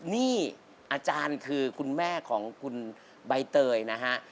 นี่อาจารย์คือคุณแม่ของคุณใบเตยนะฮะ